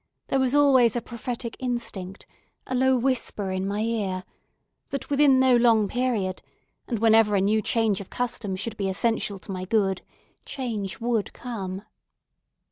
There was always a prophetic instinct, a low whisper in my ear, that within no long period, and whenever a new change of custom should be essential to my good, change would come.